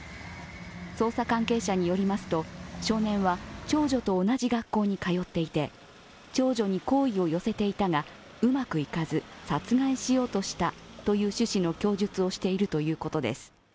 捜査関係者によりますと少年は長女と同じ学校に通っていて長女に好意を余生いたがうまくいかず殺害しようとしたという趣旨の供述をしているということです。